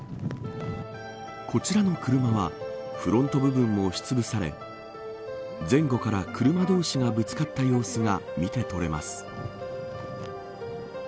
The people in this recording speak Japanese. こちらの車はフロント部分を押しつぶされ前後から車同士がぶつかった様子が見て取れます。